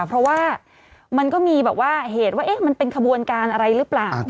เพราะว่ามันก็มีแบบว่าเหตุว่ามันเป็นขบวนการอะไรหรือเปล่า